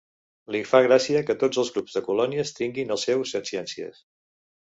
Li fa gràcia que tots els grups de colònies tinguin el seu setciències.